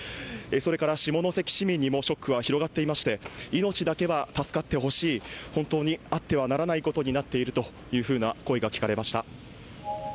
それから下関市民にもショックは広がっていまして命だけは助かってほしい本当にあってはならないことになっているという声が聞かれました。